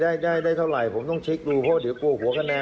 ได้ได้เท่าไหร่ผมต้องเช็คดูเพราะเดี๋ยวกลัวหัวคะแนน